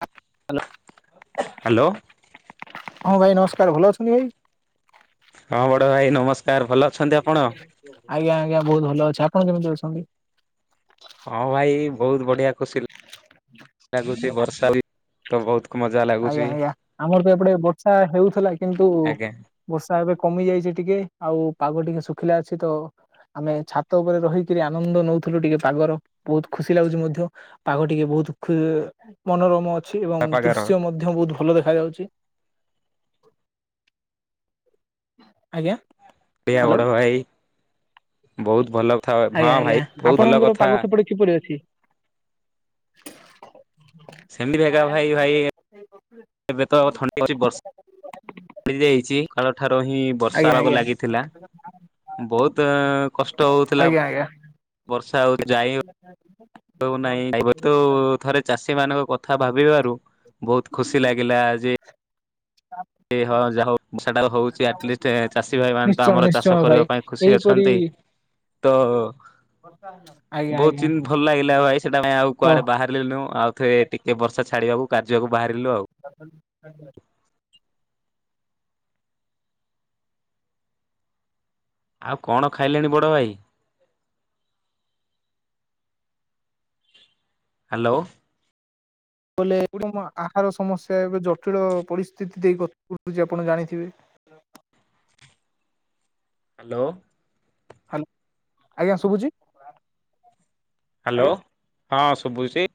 Hello. Hello. ହଁ ଭାଇ ନମସ୍କାର। ଭଲ ଅଛନ୍ତି ଭାଇ? ହଁ ବଡ଼ ଭାଇ ନମସ ଆଜ୍ଞା ଆଜ୍ଞା ବହୁତ ଭଲ ଅଛ। ଆପଣ କେମିତି ଅଛନ୍ତି? ହଁ ଭାଇ ବହୁତ ବଢିଆ ଖୁସି ଲ ଲାଗୁଛି ବର୍ଷା ବି ତ ବହୁତ ମଜା ଆଜ୍ଞା ଲାଗୁଛି ଆଜ୍ଞା ଆମର ତ ଏପଟେ ବର୍ଷା ହେଉଥିଲା କିନ୍ତୁ ଆଜ୍ଞା ବର୍ଷା ଏବେ କମି ଯାଇଛି ଟିକେ ଆଉ ପାଗ ଟିକେ ଶୁଖିଲା ଅଛି ତ। ଆମେ ଛାତ ଉପରେ ରହିକିରି ଆନନ୍ଦ ନଉଥିଲୁ ଟିକେ ପାଗର ବହୁତ ଖୁସି ଲାଗୁଛି ମଧ୍ୟ ପାଗ ଟିକେ ବହୁ ଦୁଖୀ ମନୋରମ ଛି ଏବଂ ପାପାଗାର ଦୃଶ୍ୟ ମଧ୍ୟ ବହୁତ ଭଲ ଦେଖାଯାଉଛି। ଆଜ୍ଞା। ଆଜ୍ଞା ହ୍ୟାଲୋ ବଡ ଭାଇ ବହୁତ ଭଲ କଥା ଆଜ୍ଞା ହଁ ଭାଇ ଆଜ୍ଞା ବହୁତ ଭଲ ଆପଣଙ୍କର କଥା ପାଗ ସେପଟେ କିପରି ଅଛି? ସେମିତିକା ଭାଇ ଭାଇ ଏବେତ ଥଣ୍ଡଉଛି ବର୍ଷା ପଡି ଯାଇଛି କାଳ ଠାରୁ ହିଁ ବର୍ଷା ଆଜ୍ଞା ହେବାକୁ ଆଜ୍ଞା ଲାଗିଥିଲା। ବହୁତ କଷ୍ଟ ହଉଥିଲା ଆଜ୍ଞା ବର୍ଷା ହଉଛି ଯାଇ ନାଇଁ ତୁ ଥରେ ଚାଷୀ ମାନଙ୍କ କଥା ଭାବିବାରୁ ବହୁତ ଖୁସି ଲାଗିଲା ଯେ [unintelligible] ହଁ ଯାହାଉ ବର୍ଷା ଟା ହଉଛି ଆଟଲିଷ୍ଟ ଆଜ୍ଞା। ଚାଷୀ ଭାଇ ମାନେ ତ ନିଶ୍ଚୟ ଆମର ଚାଷ ନିଶ୍ଚୟ କରିବା ଭାଇ ପାଇଁ ଖୁସି ଏହିପରି ଅଛନ୍ତି। ତ ଆଜ୍ଞା ଆଜ୍ଞା ବହୁଚୀନ ଭଲ ଲାଗିଲା ଭାଇ ସେଟା ପାଇଁ ଆଉ ତ କୁଆଡେ ବାହାରିଲୁ ଆଉ ଥେ ଟିକେ ବର୍ଷା ଛାଡିବାକୁ କାର୍ଯ୍ୟକୁ ବାହାରିଲୁ ଆଉ। [inaudible] ଆଉ କଣ ଖାଇଲେଣି ବଡ ଭାଇ? ହ୍ୟାଲୋ ବୋଲେ [unintelligible] ଆହାର ସମସ୍ୟା ଏବେ ଜଟିଳ ପରିସ୍ଥିତି ଦେଇ ଗଥା କରୁଛି ଆପଣ ଜାଣିଥିବେ। [inaudible] ହ୍ୟାଲୋ ହ୍ୟାଲୋ ଆଜ୍ଞା ଶୁଭୁଛି? ହ୍ୟାଲୋ ହଁ ଶୁଭୁଛି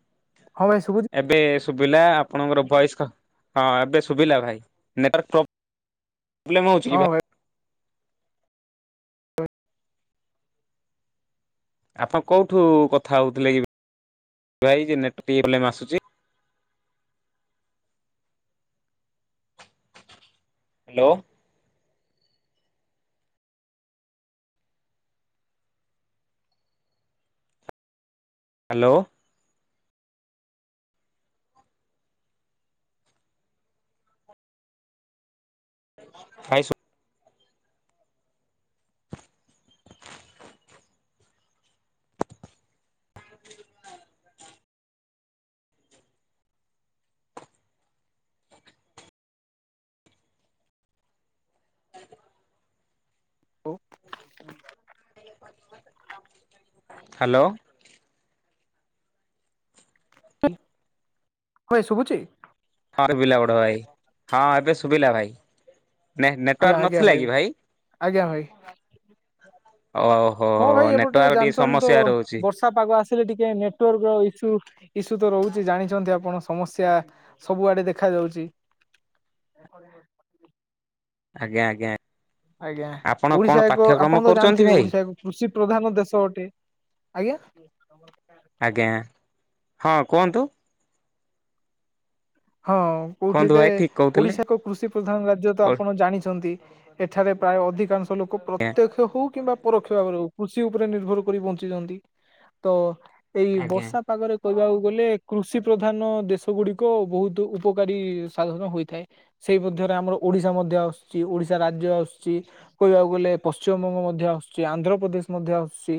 ହଁ ଭାଇ ଶୁବୁ ଏବେ ଶୁଭିଲା ଆପଣଙ୍କର ଭଏସ୍ ହଁ ଏବେ ଶୁଭିଲା ଭାଇ ନେଟୱାର୍କ ପ୍ରୋବ୍ଲେ ପ୍ରୋବ୍ଲେମ ହଉଛି କି ହଁ ଭାଇ [inaudible] ଆପଣ କୋଉଠୁ କଥା ହଉଥିଲେ କି ଭାଇ ନେଟୱାର୍କ ପ୍ରୋବ୍ଲେମ ଆସୁଛି। ହ୍ୟାଲୋ। ହ୍ୟାଲୋ ଖାଇସୁ ହଉ ହ୍ୟାଲୋ ହଏ ଶୁଭୁଛି ହଁ ଶୁଭିଲା ବଡ ଭାଇ ହଁ ଏବେ ଶୁଭିଲା ଭାଇ। ନ ଆଜ୍ଞା ନେଟୱାର୍କ ଆଜ୍ଞା ନଥିଲା କି ଭାଇ? ଆଜ୍ଞା ଭାଇ ଓହୋ [inaudible] ହଁ ଭାଇ ଏପଟେ ଟିକେ ନେଟୱାର୍କ ଜାଣିଛନ୍ତି ତ ସମସ୍ୟା ରହୁଛି ବର୍ଷା ପାଗ ଆସିଲେ ଟିକେ ନେଟୱାର୍କ ର ଇସ୍ୟୁ। ଇସ୍ୟୁ ତ ରହୁଛି ଜାଣିଛନ୍ତି ଆପଣ ସମସ୍ୟା ସବୁଆଡେ ଦେଖା ଯାଉଛି। [inaudible] ଆଜ୍ଞା ଆଜ୍ଞା ଆଜ୍ଞା ଆପଣ କଣ ଓଡିଶା ଏକ ପାଠ୍ୟକ୍ରମ ଆପଣ ତ କରୁଛନ୍ତି ଜାଣିଥିବେ ଭାଇ? ଓଡିଶା ଏକ କୃଷି ପ୍ରଧାନ ଦେଶ ଅଟେ। ଆଜ୍ଞା ଆଜ୍ଞା ହଁ କୁହନ୍ତୁ ହଁ କୋହୁଥିଲି କୁହନ୍ତୁ ଯେ ଭାଇ ଠିକ କହୁଥିଲେ ଓଡିଶା ଏକ କୃଷି ପ୍ରଧାନ ରାଜ୍ୟ ତ ଆଜ୍ଞା ଆପଣ ଜାଣିଛନ୍ତି। ଏଠାରେ ପ୍ରାୟ ଅଧିକାଂଶ ଲୋକ ପ୍ରତ୍ୟକ୍ଷ ହଉ କିମ୍ବା ପରୋକ୍ଷ ଭାବରେ ହୋଉ କୃଷି ଉପରେ ନିର୍ଭର କରି ବଞ୍ଚିଛନ୍ତି। ତ ଏଇ ଆଜ୍ଞା। ବର୍ଷା ପାଗରେ କହିବାକୁ ଗଲେ କୃଷି ପ୍ରଧାନ ଦେଶ ଗୁଡିକ ବହୁତ ଉପକାରୀ ସାଧନ ହୋଇଥାଏ। ସେଇ ମଧ୍ୟରେ ଆମର ଓଡିଶା ମଧ୍ୟ ଆସୁଛି, ଓଡିଶା ରାଜ୍ୟ ଆସୁଛି। କହିବାକୁ ଗଲେ ପଶ୍ଚିମବଙ୍ଗ ମଧ୍ୟ ଆସୁଛି, ଆନ୍ଧ୍ରପ୍ରଦେଶ ମଧ୍ୟ ଆସୁଛି।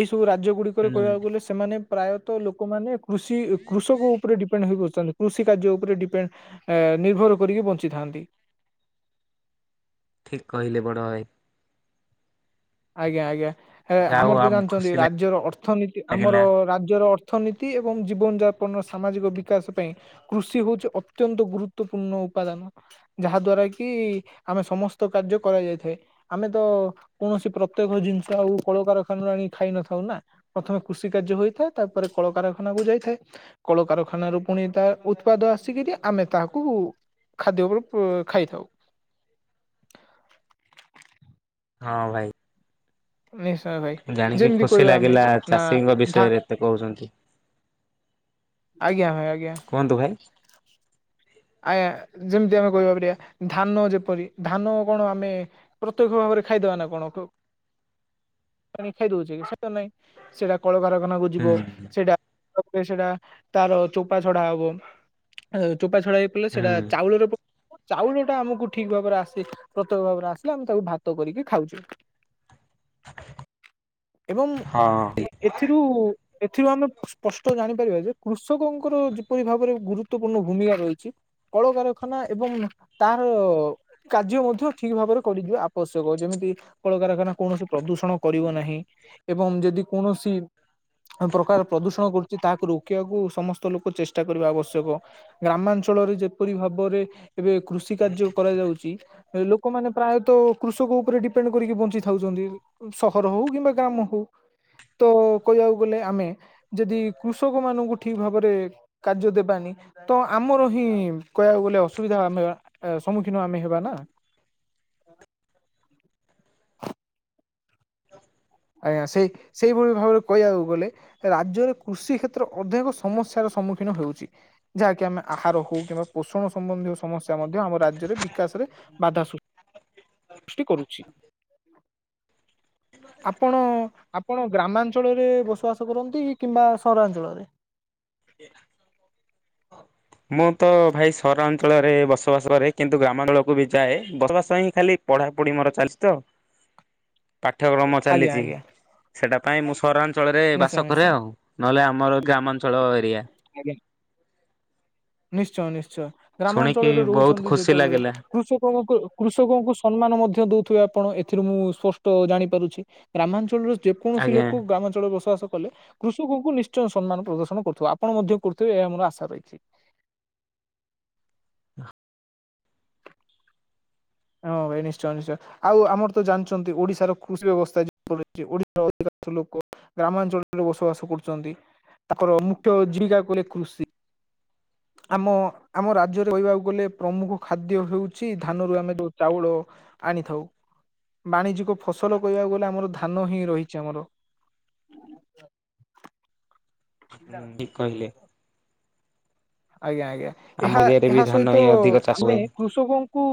ଏ ସବୁ ରାଜ୍ୟ ଗୁଡ଼ିକରେ ହୁଁ କହିବାକୁ ଗଲେ ସେମାନେ ପ୍ରାୟତଃ ଲୋକମାନେ କୃଷି କୃଷକ ଉପରେ ଡିପେଣ୍ଡ ହେଇ ବସୁଛନ୍ତି। କୃଷି କାର୍ଯ୍ୟ ଉପରେ ଡିପେଣ୍ଡ ନିର୍ଭର କରିକି ବଞ୍ଚିଥାନ୍ତି। ଠିକ କହିଲେ ବଡ ଭାଇ। ଆଜ୍ଞା ଆଜ୍ଞା ଯାହା ହଉ ଆମର ତ ଆମ ଜାଣିଛନ୍ତି ଖୁସି ରାଜ୍ୟର ଅର୍ଥନୀତି ଆମର ଲାଗିଲା। ରାଜ୍ୟର ଅର୍ଥ ଅର୍ଥନୀତି ଏବଂ ଜୀବନ ଯାପନର ସାମାଜିକ ବିକାଶ ପାଇଁ କୃଷି ହଉଛି ଅତ୍ୟନ୍ତ ଗୁରୁତ୍ୱପୂର୍ଣ୍ଣ। ଉପାଦାନ ଯାହା ଦ୍ଵାରା କି ଆମେ ସମସ୍ତ କାର୍ଯ୍ୟ କରାଯାଇଥାଏ ଆମେ ତ କୌଣସି ପ୍ରତ୍ୟେକ ଜିନିଷ ଆଉ କଳକାରଖାନା ଆଣି ଖାଇ ନଥାଉ ନା ପ୍ରଥମେ କୃଷି କାର୍ଯ୍ୟ ହେଥାଏ ତାପରେ କଳକାରଖାନା। ଖାନା କ ଯାଇଥାଏ କଳକାରଖାନା ର ପୁଣି ତା ଉତ୍ପାଦ ଆସିକିରି ଆମେ ତାହାକୁ ଖାଦ୍ୟ ରୁ ଖାଇଥାଉ। ହଁ ଭାଇ। ନିଶ୍ଚୟ ଭାଇ ଜାଣିକି ଯେମିତି ଖୁସି କହିବା ଆମେ ଲାଗିଲା ନା ଚାଷୀଙ୍କ ଧା ବିଷୟରେ ଏତେ କହୁଛନ୍ତି। ଆଜ୍ଞା ଆଜ୍ଞା। କୁହନ୍ତୁ ଭାଇ? ଆଜ୍ଞା ଯେମିତି ଆମେ କହିବା ପାରିବା ଧାନ ଯେପରି ଧାନ କଣ ଆମେ ପ୍ରତ୍ୟକ ଭାବରେ ଖାଇଦବା ନା କଣ ହଁ [inaudible] ପାଣି ଖାଇ ଦଉଛେ ସେଇଟା ନାଇଁ ସେଟା କଳକାରଖାନାକୁ ଯିବ ହୁଁ ସେଇଟା ତାରେ ସେଟା ତାର ଚୋପା ଛଡା ହବ ଚୋପା ଛଡା ଲେ ସେଟା ହୁଁ ଚାଉଳର ଚାଉଳ ଟା ଆମକୁ ଠିକ ଭାବରେ ଆସେ ପ୍ରତ୍ୟେକ ଭାବରେ ଆସିଲେ ଆମେ ତାକୁ ଭାତ କରିକି ଖାଉଛେ। ଏବଂ ହଁ। ଏଥିରୁ ଏଥିରୁ ଆମେ ସ୍ପଷ୍ଟ ଜାଣିପାରିବା ଯେ କୃଷକଙ୍କର ଯେପରି ଭାବରେ ଗୁରୁତ୍ୱପୂର୍ଣ୍ଣ ଭୂମିକା ରହିଛି। କଳକାରଖାନା ଏବଂ ତାର କାର୍ଯ୍ୟ ମଧ୍ୟ ଠିକ ଭାବରେ କରିଦିବା ଆବଶ୍ୟକ ଯେମିତି ମିତି କଳକାରଖାନା କୌଣସି ପ୍ରଦୂଷଣ କରିବ ନାହିଁ ଏବଂ ଯଦି କୌଣସି ପ୍ରକାର ପ୍ରଦୂଷଣ କରୁଛି ତାହାକୁ ରୋକିବାକୁ ସମସ୍ତ ଲୋକ ଚେଷ୍ଟା କରିବା ଆବଶ୍ୟକ ଗ୍ରାମାଞ୍ଚ ଅଳରେ ଯେପରି ଭାବରେ ଏବେ କୃଷି କାର୍ଯ୍ୟ କରାଯାଉଛି ଲୁ ଲୋକମାନେ ପ୍ରାୟତଃ କୃଷକ ଉପରେ ଡିପେଣ୍ଡ କରିକି ବଞ୍ଚି ଥାଉଛନ୍ତି ସହର ହଉ କିମ୍ବା ଗ୍ରାମ ହଉ। ତ କହିବାକୁ ଗଲେ ଆମେ ଯଦି କୃଷକ ମାନଙ୍କୁ ଠିକ ଭାବରେ କାର୍ଯ୍ୟ ଦେବାନି। ତ ଆମର କହିବାକୁ ଗଲେ ଅସୁବିଧା ଆମେ ସମ୍ମୁଖୀନ ହେବା ନା। [inaudible] ଵା [inaudible] ସେ ସେଇଭଳି ଭାବରେ କହିବାକୁ ଗଲେ ରାଜ୍ୟରେ କୃଷି କ୍ଷେତ୍ର ଅଧିକ ସମସ୍ୟାର ସମ୍ମୁଖୀନ ହଉଛି ଯାହାକି ଆମେ ଆହାର ହଉ କିମ୍ବା ପୋଷଣ ସମ୍ବନ୍ଧୀୟ ସମସ୍ୟା ମଧ୍ୟ ଆମ ରାଜ୍ୟରେ ବିକାଶରେ ବାଧା ସୁୁ ଆ [inaudible] ସୁଷ୍ଟି କରୁଛି। ବା [inaudible] ଆପଣ ଆପଣ ଗ୍ରାମାଞ୍ଚଳରେ ବସବାସ କରନ୍ତି କିମ୍ବା ସହରାଞ୍ଚଳରେ? ମୁଁ ତ ଭାଇ ସର ବସବାସ କରେ କିନ୍ତୁ ଗ୍ରାମାଞ୍ଚଳକୁ ବି ଯାଏ ବସବାସ ହିଁ ଖାଲି ପଢା ପଢି ମୋର ଚାଲିଛି ତ। [inaudible] ପାଠ୍ୟକ୍ରମ ଆଜ୍ଞା ଚାଲିଛି ଆଜ୍ଞା ସେଟା ପାଇଁ ମୁଁ ସହରାଞ୍ଚଳରେ ନିଶ୍ଚୟ ବାସ ନିଶ୍ଚୟ କରେ ଆଉ। ନହେଲେ ଆମର ଗ୍ରାମାଞ୍ଚଳ ଏରିଆ ଆଜ୍ଞା। ନିଶ୍ଚୟ ନିଶ୍ଚୟ। ଶୁଣିକି ଗ୍ରାମାଞ୍ଚଳରେ ବହୁତ ରହୁଛନ୍ତି ଖୁସି ଯେତେବେଳେ ଲାଗିଲା କୃଷକ କୃଷକଙ୍କୁ ସମ୍ମାନ ମଧ୍ୟ ଦଉ ଆପଣ ଏଥିରୁ ମୁଁ ସ୍ପଷ୍ଟ ଜାଣିପାରୁଛି ଗ୍ରାମାଞ୍ଚଳର ଯେକୌଣସି ଆଜ୍ଞା। ଲୋକ ଗ୍ରାମାଞ୍ଚଳରେ ବସବାସ କଲେ କୃ କଙ୍କୁ ନିଶ୍ଚୟ ସମ୍ମାନ ପ୍ରଦର୍ଶନ କରୁଥିବ ଆପଣ ମଧ୍ୟ କରୁଥିବେ ଏହା ମୋର ଆଶା ରହିଛି। ହଁ ଭାଇ ନିଶ୍ଚୟ ନିଶ୍ଚୟ ଆଉ ଆମର ତ ଜାଣିଛନ୍ତି ଓଡିଶାର କୃଷି ବ୍ୟବସ୍ଥା [inaudible] ଲୋକ ଗ୍ରାମାଞ୍ଚଳରେ ବସବାସ କରୁଛନ୍ତି। ତାଙ୍କର ମୁଖ୍ୟ ଜୀବିକା କଲେ କକୃଷି [unintelligible] ଆମ ଆମ ରାଜ୍ୟରେ କହିବାକୁ ଗଲେ ପ୍ରମୁଖ ଖାଦ୍ୟ ହଉଚି ଧାନରୁ ଆମେ ଯୋଉ ଚାଉଳ ଆଣିଥାଉ। ବାଣିଜ୍ୟିକ ଫସଲ କହିବାକୁ ଗଲେ ଆମର ଧାନ ହିଁ ରହିଚି ଆମର। [inaudible] ହୁଁ ଠିକ କହିଲେ। ଆଜ୍ଞା ଆଜ୍ଞା ଆମ ଏହା ଏରିଆରେ ବି ଏହା ଧାନ ସହିତ ହିଁ ଅଧିକ ଚାଷ ଆମେ ହୁଏ। କୃଷକଙ୍କୁ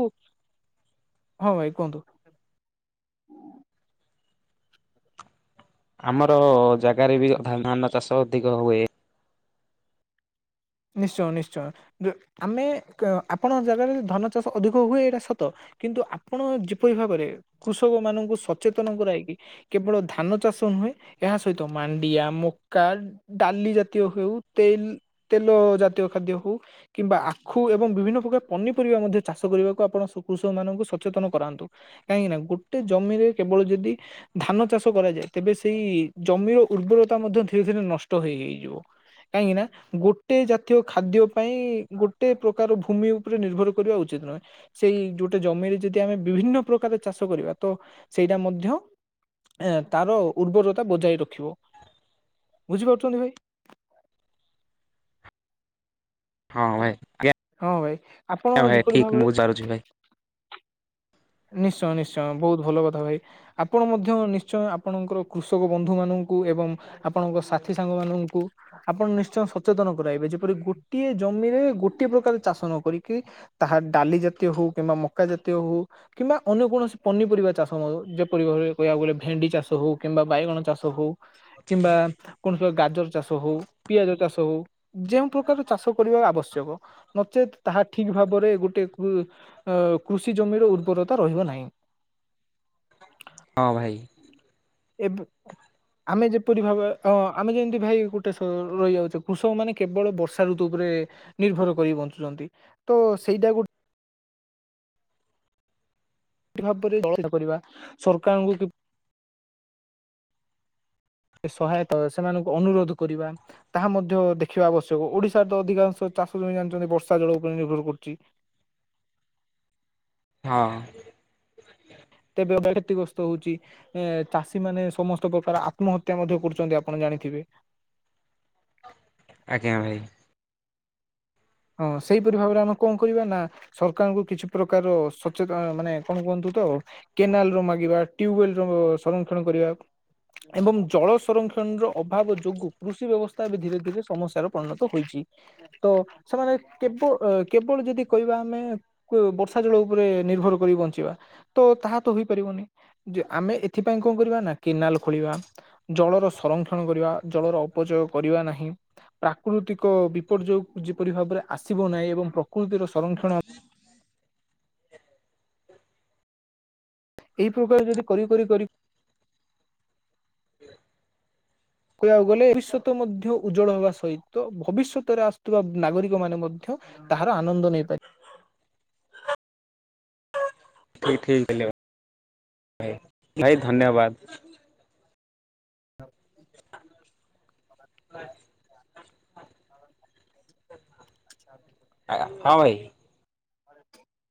ହଁ ଭାଇ କୁହନ୍ତୁ। ଆମର ଜାଗାରେ ବି ଧାନା ଚାଷ ଅଧିକ ହୁଏ। ନିଶ୍ଚୟ ନିଶ୍ଚୟ, ଆମେ ଆପଣଙ୍କ ଜାଗାରେ ଧାନ ଚାଷ ଅଧିକ ହୁଏ ଏଇଟା ସତ। କିନ୍ତୁ ଆପଣ ଯେପରି ଭାବରେ କୃଷକ ମାନଙ୍କୁ ସଚେତନ କରଇକି କେବଳ ଧାନ ଚାଷ ହୁଏ ଏହା ସହିତ ମାଣ୍ଡିଆ, ମକା, ଡାଲି ଜାତୀୟ ହଉ ତେଲ ତେଲ ଜାତୀୟ ଖାଦ୍ୟ ହଉ କିମ୍ବା ଆଖୁ ଏବଂ ବିଭିନ୍ନ ପ୍ରକାର ପନିପରିବା ମଧ୍ୟ ଚାଷ କରିବାକୁ ଆପଣ କୃଷକ ମାନଙ୍କୁ ସଚେତନ କରାନ୍ତୁ କାହିଁକି ନା ଗୋଟେ ଜମିରେ କେବଳ ଯଦି ଧାନ ଚାଷ କରାଯାଏ ତେବେ ସେଇ ଜମିର ଉର୍ବରତା ମଧ୍ୟ ଧୀରେ ଧୀରେ ନଷ୍ଟ ହେଇ ହେଇଯିବ କାହିଁକି ନା ଗୋଟ ଗୋଟେ ଜାତୀୟ ଖାଦ୍ୟ ପାଇଁ ଗୋଟେ ପ୍ରକାର ଭୂମି ଉପରେ ନିର୍ଭର କରିବା ଉଚିତ ନୁହେଁ ସେଇ ଯଉ ଗୋଟେ ଜମିରେ ଯଦି ଆମେ ବିଭିନ୍ନ ପ୍ରକାର ଚାଷ କରିବା ତ ସେଇଟା ମଧ୍ୟ ଏ ତାର ଉର୍ବରତା ବଜାଇ ରଖିବ ବୁଝିପାରୁଚନ୍ତି ଭାଇ। [inaudible] ହଁ ଭାଇ ହଁ ଆପଣ ଭାଇ ହଁ ଯେପରି ଭାବରେ ଠିକ ମୁଁଚାରୁଚି ଭାଇ। ନିଶ୍ଚୟ ନିଶ୍ଚୟ ବହୁତ ଭଲ କଥା ଭାଇ ଆପଣ ମଧ୍ୟ ନିଶ୍ଚୟ ଆପଣଙ୍କର କୃଷକ ବନ୍ଧୁ ମାନଙ୍କୁ ଏବଂ ଆପଣଙ୍କ ସାଥି ସାଙ୍ଗ ମାନଙ୍କୁ ଆପଣ ନିଶ୍ଚୟ ସଚେତନ କରାଇବେ ଯେପରି ଗୋଟିଏ ଜମିରେ ଗୋଟେ ପ୍ରକାର ଚାଷ ନ କରିକି ତାହା ଡାଲି ଜାତୀୟ ହଉ କିମ୍ବା ମକା ଜାତୀୟ ହଉ କିମ୍ବା ଅନ୍ୟ କୌଣସି ପନିପରିବା ଚାଷ ମ ଯେପରି ଭରେ କହିବାକୁ ଗଲେ ଭେଣ୍ଡି ଚାଷ ହଉ କିମ୍ବା ବାଇଗଣ ଚାଷ ହଉ କିମ୍ବା କଣ ଗାଜର ଚାଷ ହଉ ପିଆଜ ଚାଷ ହଉ ଯେଉଁ ପ୍ରକାର ଚାଷ କରିବା ଆବଶ୍ୟକ ନଚେତ୍ ତାହା ଠିକ ଭାବରେ ଗୋଟେ ଉ କୃଷି ଜମିର ଉ ଦୁରତା ରହିବ ନାହିଁ। ହଁ ଭାଇ। ଏବେ ଆମେ ଯେପରି ଭାବ ଅ ଆମେ ଯେମିତି ଭାଇ ଗୋଟେ ରହିଯାଉଚେ କୃଷକ ମାନେ କେବଳ ବର୍ଷା ଋତୁ ଉପରେ ଏ ନିର୍ଭର କରି ବଞ୍ଚୁଛନ୍ତି ତ ସେଇଟା କୁ ଭାବରେ କରିବା ସରକାରଙ୍କୁ କି ସହାୟତା ସେମାନଙ୍କୁ ଅନୁରୋଧ କରିବା ତାହା ମଧ୍ୟ ଦେଖିବା ଆବଶ୍ୟକ ଓଡିଶାରେ ତ ଅଧିକାଂଶ‌ ଚାଷ ଜମି ଜାଣିଚନ୍ତି ବର୍ଷା ଜଳ ଉପରେ ନିର୍ଭର କରୁଚି। ହଁ। ତେବେ ଏ କ୍ଷତିଗ୍ରସ୍ତ ହଉଚି, ଏ ଚାଷୀ ମାନେ ସମସ୍ତ ପ୍ରକାର ଆତ୍ମହତ୍ୟା ମଧ୍ୟ କରୁଚନ୍ତି ଆପଣ ଜା ଜାଣିଥିବେ‌‌। ଆଜ୍ଞା ଭାଇ। ହଁ ସେଇପରି ଭାବରେ ଆମେ କଣ କରିବା ନା ସରକାରଙ୍କୁ କିଛି ପ୍ରକାର ସଚେତନ ମାନେ କଣ କୁହନ୍ତୁ କେନାଲ ର ମାଗିବା ଟ୍ୟୁବଲ ର ସଂରକ୍ଷଣ କରିବା‌। ଏବଂ ଜଳ ସଂରକ୍ଷଣର ଅଭାବ ଯୋଗୁଁ କୃଷି ବ୍ୟବସ୍ଥା ଏବେ ଧୀରେ ଧୀରେ ସମସ୍ୟାର ପରିଣତ ହୋଇଚି। ଟି ତ‌ ସେମାନେ କେବ କେବଳ ଯଦି କହିବା ଆମେ ବର୍ଷା ଜଳ ଉପରେ ନିର୍ଭର କରି ବଞ୍ଚିବା। ତ ତାହା ତ ହୋଇପାରିବନି ଯେ ଆମେ ଏଥିପାଇଁ କଣ କରିବା ନା କେନାଲ ଖୋଳିବା ଜଳର ସଂରକ୍ଷଣ କରିବା, ଜଳର ଅପଯୋଗ କରିବା ନାହିଁ। ପ୍ରାକୃତିକ ବିପର୍ଯ୍ୟୟ କୁ କିପରି ଭାବରେ ଆସିବ ନାହିଁ ଏବଂ ପ୍ରକୃତିର ସଂରକ୍ଷଣ ଏହି ପ୍ରକାର ଯଦି କରି କରି କରି କହିବାକୁ ଗଲେ ଭବିଷ୍ୟତ ମଧ୍ୟ ଉଜ୍ଜଳ ହେବା ସହିତ, ଭବିଷ୍ୟତରେ ଆସୁଥିବା ନାଗରିକ ମାନେ ମଧ୍ୟ ତହାର ଆନନ୍ଦ ନେଇପାର [inaudible] ଠିକ ହେଇଗଲେ ଭାଇ ଭାଇ ଧନ୍ୟବାଦ। ହ [unintelligible] ନେଇପାରିବେ ଆ [inaudible] ହଁ ଭାଇ। [unintelligible]